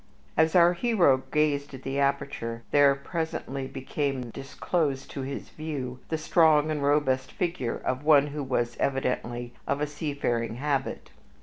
As our hero gazed at the aperture there presently became disclosed to his view the strong and robust figure of one who was evidently of a seafaring habit.